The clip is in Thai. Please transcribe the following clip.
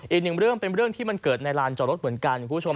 อีกหนึ่งเรื่องเป็นเรื่องที่มันเกิดในลานจอดรถเหมือนกันคุณผู้ชม